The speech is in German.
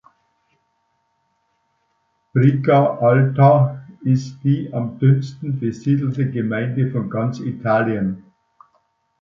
Briga Alta ist die am dünnsten besiedelte Gemeinde von ganz Italien.